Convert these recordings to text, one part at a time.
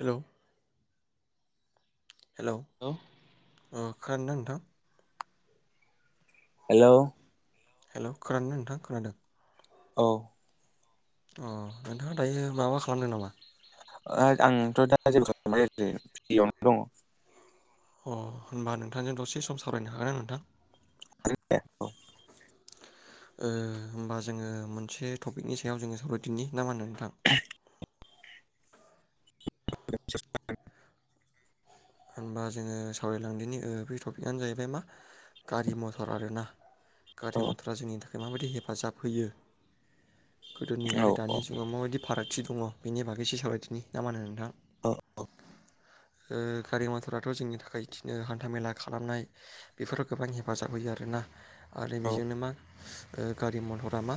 हेल' hello ओ। खायोनादोंना नोंथां? हेल' हेल' खोनादोंना नोंथां खोनादों? औ अ नोंथाङा दायो माबा खालामदों नामा? ओ आंथ' दा जेबो खालानाय जायाखै फ्रियावनो दङ। अ होनबा नोंथांजों दसे सम सावरायनो हागोन ना नोंथां? [unintelligible] ओ होमबा जोङो मोनसे थपिकनि सायाव जोङो सावराय दिनि ना मा होनो? नोंथां [unintelligible] होनबा जोङो सावराय लांदिनि ओ बे टपिक आनो जायैबाय मा गारि मथर आरोना। औ गारि मथरा जोंनि था खाय माबायदि हेफाजाब होयो। गोदोनि हेलौ आरो औ दानि जुगाव माबायदि फाराग थि दङ बेनि बागै एसे सावराय थिनि ना मा होनो नोंथां? अ अ ओ गारि मथराथ' जोंनि थाखाय इदिनो हान्था मेला खालामनाय बेफोराव गोबां हेफाजाब होयो आरोना। आरो बेजोंनो मा ओ गारि मथरा मा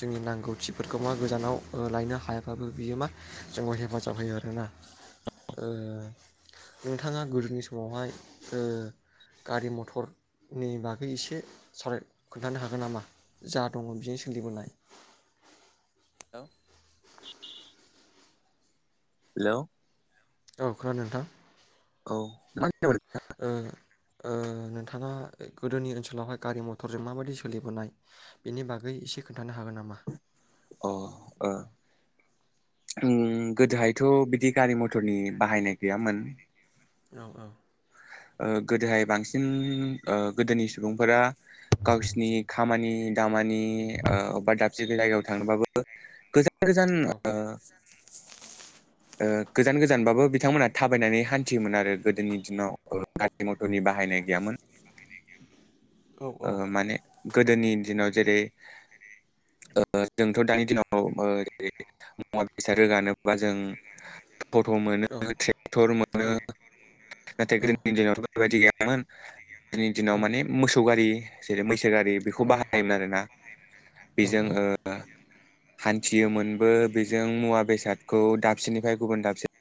जोंनि नांगौथि फोरखौ मा गोजानाव लायनो हायाबाबो बियो मा जोंखौ हेफाजाब होयो आरोना। ओ नोंथाङा गोदोनि समावहाय ओ गारि मथर नि बागै एसे सावराय खोन्थानो हागोन नामा जा दङ बिजोंनो सोलिबोनाय हेलौ हेलौ औ खोनादों नोंथां औ टाइम जाबाय नोंथाङा गोदोनि ओनसोलावहाय गारि मथरजों माबायदि सोलिबोनाय बेनि बागै एसे खोन्थानो हागोन नामा अ उम गोदोहाय थ बिदि गारि मथरनि बाहायनाय गैयामोन। [unintelligible] औ औ। गोदोहाय बांसिन गोदोनि सुबुंफोरा गावसिनि खामानि दाम मामानि अबेबा दाबसे जायगायाव थांबाबो गोस औ [unintelligible] [unintelligible] ओ गोजान गोजानबाबो बिथांमोनहा थाबायनानै हान्थियोमोन आरो गोदोनि दिनाव गारि मथरनि बाहायनाय गैयामोन। औ औ ओ माने गोदोनि दिनाव जेरै जोंथ दानि दिनाव जेरै मुवा बेसाद रोगानोबा जों अट मोनो औ ट्रेक्टर मोनो नाथाय गोदोनि दिनावथ' बेफोरबादि गैयामोन। दिनैनि दिनाव माने मस जेरै मैसो सेगारि बेखौ बाहायोमोन आरोना औ बेजों हान्थियोमोनबो बेजों मुवा बेसादखौ दाबसेनिफ्राय गुबुन दाबसे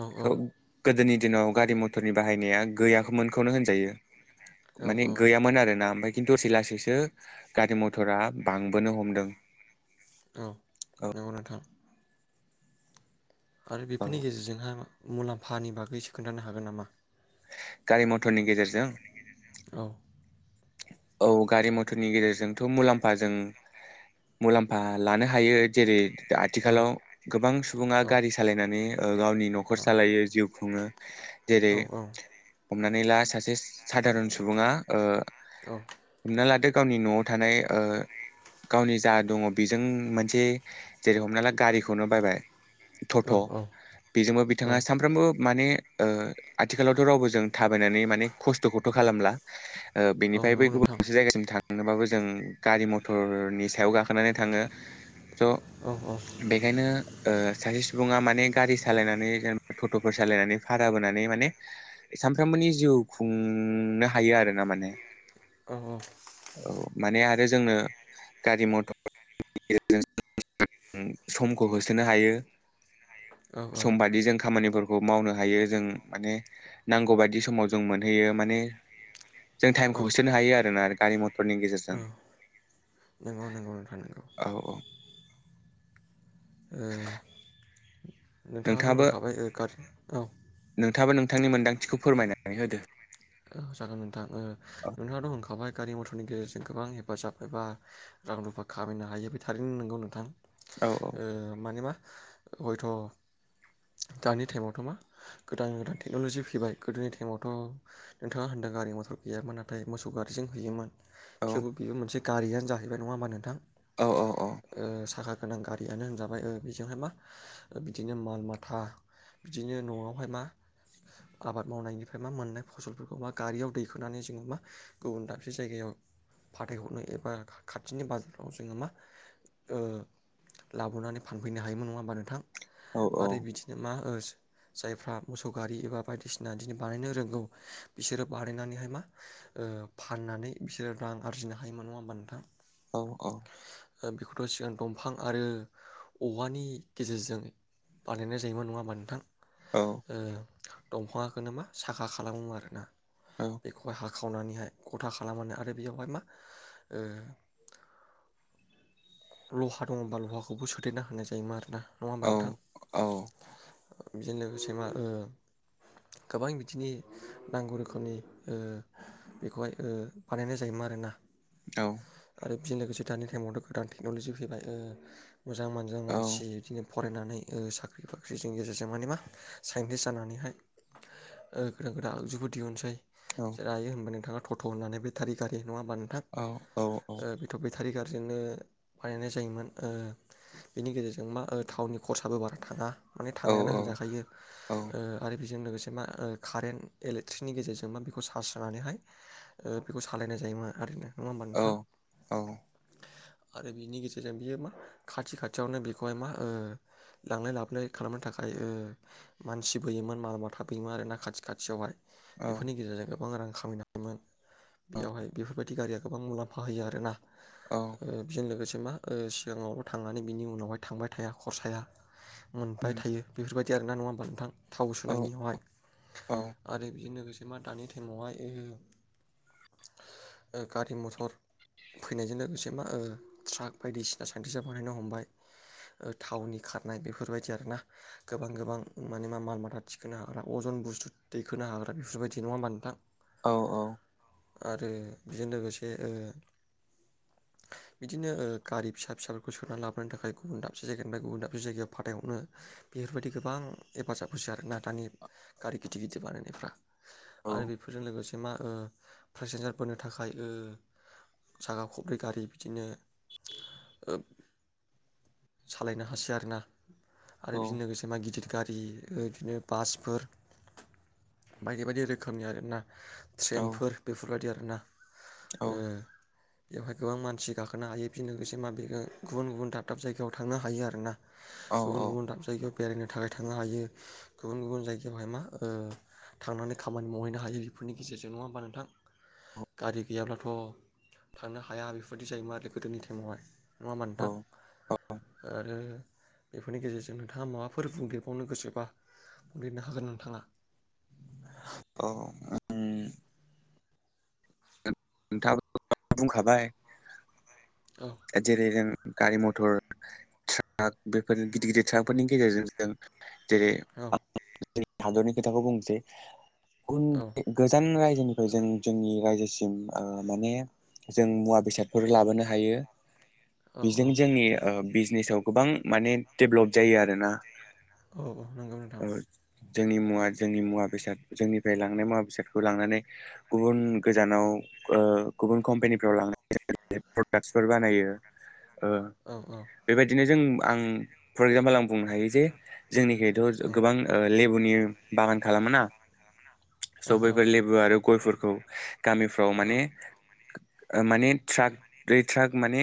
औ औ। गोदोनि दिनाव गारि मथरनि बाहायनाया गैयाखैमोन। बे खौनो होनजायो। औ माने गैयामोन आरो ना ओमफ्रायाय खिन्थु दसै लासैसो गारि मथरा बांबोनो हमदों। औ नंगौ नोंथां आरो औ बेफोरनि गेजेरजोंहाय मुलाम्फानि बागैसो खोन्थानो हागोन नामा। गारि मथरनि गेजेरजों। औ औ गारि मथरनि गेजेरजोंथ मुलाम्फाजों मुलाम्फा लानो हायो जेरै दा औ आथिखालाव गोबां सुबुंङा औ गारि सालायनानै गावनि न'खर सालायो जिउ खुंङो औ औ। हमनानै ला सासे साादारन सुबुङा औ हमना लादो गावनि न'आव थानाय ओ गावनि जा दङ' बेजों मोनसे जेरै हमना ला गारिखौनो बायबाय औ थथ' औ बेजोंबो औ बिथाङा सानफ्रोमबो माने ओ आथिखालावथ' रावबो जों थाबायनानै माने खस्थ'खौथ' खालामला। ओ औ बेनिफाय बै नंगौ गुबु नोंथां मोनसे जायगासिम थांनोबाबो जों गारि मथ'रनि सायाव गाखोनानै थाङो स' औ औ बेखायनो ओ सासे सुबुङा माने माने गारि सालायनानै जेनेबा टट'फोर सालायनानै भारा बोनानै माने सामफ्रामबोनि जिउ खुंनो हायो आरो ना माने औ औ औ माने आरो जोंनो गारि [unintelligible] समखौ होसोनो हायो औ समबादि जों खामानिफोर ओ मावनो हायो जों माने नांगौ बायदि समाव जों मोनहैयो माने जों औ थाइमखौ होसोनो हायो आ आरो गारि मथरनि औ गेजेरजों नंगौ नंगौ नोंथां नंगौ औ औ ओ नोंथाङाथ' नोंथाङाबो होनखाबाय ओ गारि औ थाङाबो नोंथांनि मोन्दांथिखौ फोरमायनानै होदो जागोन नोंथां ओ औ नोंथाङाथ' होनखाबाय गारि मथरनि गेजेरजों गोबां हेफाजाब एबा रां रुफा खामायनो हायो बे थारैनो नंगौ नोंथां औ ओ माने मा हयथ' दानि टाइमावथ' मा गोदान गोदान टेक्न'लजि फैबाय गोदोनि टाइमावथ' नोंथाङा होन्दों गारि मथर गैयामोन नाथाय मोसौ गारिजों हैयोमोन औ थेवबो बेयो मोनसे गारियानो जाहैबाय नङा होनबा नोंथां औ ओ साखा गोनां गारियानो होनजाबाय ओ बेजोंहाय मा बिदिनो माल माथा बिदिनो न'आवहाय मा आबाद मावनायनिफ्राय मा मोननाय फसलफोरखौ मा गारियाव दैखोनानै जोङो मा गुबुन दाबसे जायगायाव फाथायहरनो एबा खाथिनि बाजाराव जोङो मा ओ लाबोनानै फानफैनो हायोमोन नङा होमबा नोंथां औ आरो बिदिनो मा ओ जायफ्रा मोसौ गारि एबा बायदिसिना इदिनो बानायनो रोंगौ बिसोरो बानायनानैहाय मा ओ फाननानै बिसोरो रां आरजिनो हायोमोन नङा होमबा नोंथां? औ औ ओ बेखौथ' सिगां दंफां आरो औवानि गेजेरजों बानायनाय जायोमोन नङा होनबा नोंथां? ओ दंफाङाखोनो मा सााखा खालामो आरोना। औ बेखौ हाय। हाखावनानैहाय गथा खालामनानै आरो बेयावहाय मा लहा दङबा लहाखौबो सोदेरना होनाय जायोमोन आरोना। नङा औ होनबा नोंथां। औ बिदिनो लोगोसे मा ओ गोबां बिथिंनि नांगौ रोखोमनि ओ बेखौहाय ओ बानायनाय जायोमोन आरोना। औ आरो बेजों लोगोसे दानि टाइमावथ' गोदान टेक्न'लजि फैबाय ओ मोजां मोजां मानसि औ बिदिनो। फरायनानै ओ साख्रि बाख्रिजों गेजेरजों माने मा साइन्टिस् जानानैहाय ओ गोदान गोदान आगजुफोर दिहुनसै औ सोर हायो होनबा नोंथाङा। ट' ट' होन्नानै बेटारि गारि नङा होमबा नोंथां औ औ ओ बेथ' बेटारि गारि बिदिनो बानायनाय जायोमोन ओ बिनि गेजेरजों मा थावननि खरसाबो बारा थाङा। माने औ थाङायानो होनजाखायो औ आरो। बेजों लोगोसे मा ओ कारेन्ट इलेक्ट्रिकनि गेजेरजों मा बेखौ चार्ज होनानैहाय ओ बेखौ सालायनाय जायोमोन आरोना। नङा होमबा औ नोंथां औ आरो बिनि गेजेरजों बियो मा खाथि खाथियावनो बेखौहाय मा ओ लांलाय लाबोलाय खालामनो थाखाय ओ मानसि बोयोमोन माल माथा बोयोमोन आरो ना खाथि खालायावहाय। औ बेफोरनि गेजेरजों गोबां रां खामायनो हायोमोन। बेयावहाय बेफोरबायदि खाथि गारि गाखोबा मुलाम्फा होयो आरोना। औ ओ बेजों लोगोसे मा ओ सिगाङावल' थांनानै बिनि उनावहाय थांबाय थाया खरसाया मोनबाय उम थायो बेफोरबायदि। गेरनांगौ नङा होनबा नोंथां। थाव औ सोनांयिवहाय औ आरो बिजों लोगोसे। मा दानि टाइमावहाय ओ गारि म'थर फैनायजों लोगोसे मा ओ। ट्राक बायदिसिना सान्टिसा बानायनो हमबाय थावनि खारनाय बेफोरबायदि आरो ना गोबां गोबां माने मा माल माथा थिखोनो हाग्रा अजन बुस्थु दैखोनो हाग्रा बेफोरबायदि नङा होमबा नोंथां। औ औ। आरो बेजों लोगोसे ओ। बिदिनो ओ गारि फिसा फिसाफोरखौ सोननानै लाबोनो थाखाय गुबुन दाबसे जायगानिफ्राय गुबुन दाबसे जायगायाव फाथायहरनो बेफोरबायदि गोबां हेफाजाब होसै आरोना दानि गारि गिदिर गिदिर बानायनायफ्रा। आरो बेफोरजों लोगोसे मा ओ पेसेन्जारफोरनि थाखाय ओ साखा खब्रै गारि बिदिनो सालायनो हासै आरोना। आरो बेजों लोगोसे मा गिदिर गारि बिदिनो बासफोर बायदि बायदि रोखोमनि आरोना औ ट्रेनफोर बेफोरबायदि आरो [unintelligible] औ ओ बेवहाय गोबां मानसि गाखोनो हायो फिन लोगोसे मा बे गुबुन गुबुन दाब दाब जायगायाव थांनो हायो आरो ना गुबुन गुबुन दाब जायगायाव बेरायनो थाखाय थांनो हायो गुबुन गुबुन जायगायावहाय मा थांनानै खामानि मावहैनो हायो बेफोरनि गेजेरजों नङा होमबा नोंथां गारि गैयाब्लाथ' थांनो हाया बेफोर दि जायो मा गोदोनि ताइमावहाय नङा होमबा नोंथां औ आरो बेफोरनि गेजेरजों नोंथाङा माबाफोर बुंदेरबावनो गोसोबा बुंदेरनो हागोन नोंथाङा औ ओं नोंथां आबोथ बुंखाबाय औ जेरै जों गारि मथर ट्राक बेफोर गिदिर गिदिर ट्राकफोरनि गेजेरजों जों जेरै औ हादरनि खोथाखौ बुंसै उन औ गोजान राय [unintelligible] जों जोंनि रायजोसिम ओ माने जों मुवा बेसादफोर लाबोनो हायो औ बेजों जोंनि ओ बिजनेसाव गोबां माने डेभ्लप जायो आरोना औ औ नंगौ नोंथां ओ जोंनि मुवा जोंनि मुवा बेसाद जोंनिफ्राय लांनाय मुवा बेसादखौ लांनानै गुबुन गोजानाव ओ गुबुन कम्पानिफ्राव लांनाय प्रडाक्सफोर बानायो ओ औ बेबायदिनो जों आं फर एक्जामपोल आं बुंनो हायो जे जोंनिखाथ' औ गोबां लेबुनि बागान खालाम ना औ सबैफोर लेबु आरो गय फोर ओ गामि ओ औ माने ओ माने ट्राक दै ट्राक माने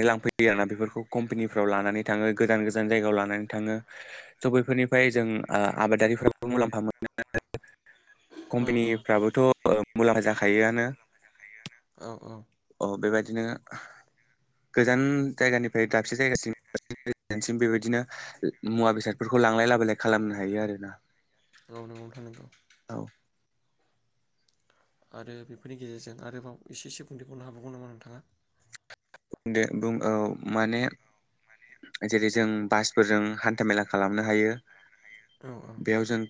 औ लांफैयो आरोना बेफोरखौ कम्पानिफ्राव लानानै थाङो गोजान गोजान जायगायाव लानानै थाङो स' बैफोरनिफ्राय जों ओ आबादारिफ्राबो मुलाम्फा मोनो [unintelligible] औ कम्पानिफ्राबोथ' ओ मुलामफा जा खायोआनो औ औ बेबायदिनो गोजान जायगानिफ्राय दाबसे जायगासिम गोजानसिम बेबायदिनो मुवा बेसादफोरखौ लांलाय लाबोलाय खालामनो हायो आरो ना। औ नोंगौ नोंथां नांगौ। औ। आरो बेफोरनि गेजेरजों आरोबाव एसे एसे बुंथिबावनो हाबावगौ नामा नोंथाङा। बुंदो बुं औ माने जेरै जों बासफोरजों हान्थामेला खालामनो हायो। औ औ।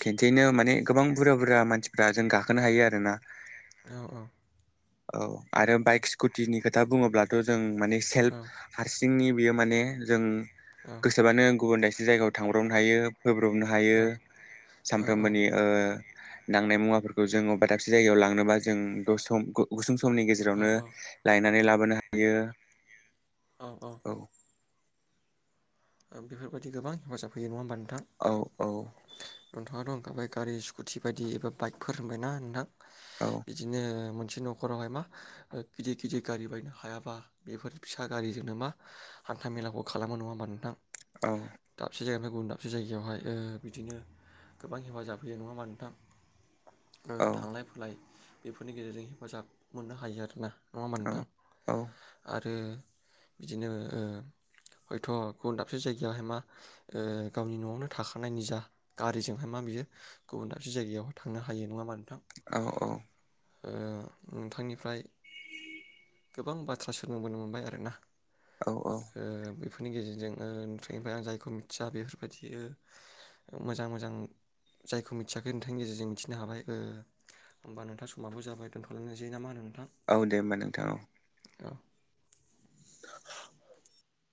खेनसेैनो माने गोबां बुरजा बुरजा मानसिफ्रा जों गाखोनो हायो आरोना। औ औ। औ आरो बाइक स्कुटिनि खोथा बुङोब्लाथ' जों माने औ सेल्फ हारसिंनि बियो माने जों औ गोसोबानो गुबुन जि जायगायाव थांब्रावनो हायो होब्रबनो हायो सामफ्रोमबोनि ओ नांनाय मुवाफोरखौ जोङो बा दाबसे जायगायाव लांनोबा जों गुसुं समनि औ गेजेरावनो औ लायनानै बोनो हायो। औ औ। बेफोरबायदि गोबां हेफाजाब होयो नङा होमबा नों औ औ। नोंहाथ दंओंखाबाय गारि स्कुटि बायदि एबा बाइकफोर होनबायना नोंथां। औ बिदिनो मोनसे न'खरावहाय मा गिदिर गिदिर गारि बायनो हायाबा बेफोर फिसा गारिजोंनो मा हान्था मेलाखौ खालामो नङा होमबा नोंथां। औ दाबसे जायगानिफ्राय गुबुन दाबसे जायगायावहाय ओ बिदिनो गोबां हेफाजाब होयो नङा होनबा नोथां। औ थांलाय फैलाय बेफोरनि गेजेरजों हेफाजाब मोननो हायो आरोना। नङा होमबा नोंथां औ औ आरो आरो बिदिनो हयथ गुबुन दाबसे जायगायावहाय मा गावनि न'आवनो थाखानाय निजा गारिजोंहाय मा बियो गुबुन दाबसे जायगायावहाय थांनो हायो नङा मा नोंथां। औ औ। नोंथांनिफ्राय गोबां बाथ्रा सोंबोनो मोनबाय आरो ना औ औ बे बेफोरनि गेजेरजों नोंथांनिफ्राय आं जायखौ मिथिया बेफोरबायदि मोजां मोजां जायखौ मिथियाखै नोंथांनि गेजेरजों मिथिनो हाबाय होमबा नोंथां समोमाबो जाबाय दोनथलायनाय जायो ना होननानै औ दे होमबा नोंथां औ [inaudible]